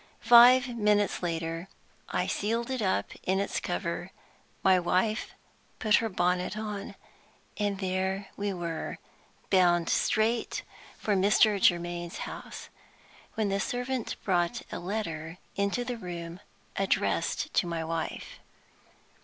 Five minutes later I sealed it up in its cover; my wife put her bonnet on, and there we were, bound straight for Mr. Germaine's house, when the servant brought a letter into the room, addressed to my wife.